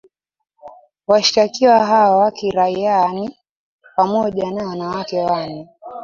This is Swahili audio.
Washtakiwa hao wa kiraiaa ni pamoja na wanawake wane